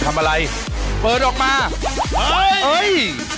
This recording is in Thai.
ควรถามอะไรเบิร์นออกมาเฮ้ยเฮ้ย